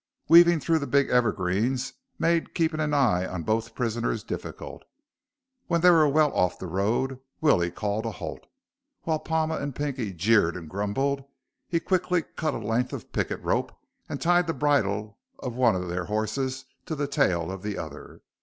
Weaving through the big evergreens made keeping an eye on both prisoners difficult. When they were well off the road, Willie called a halt. While Palma and Pinky jeered and grumbled, he quickly cut a length of picket rope and tied the bridle of one of their horses to the tail of the other.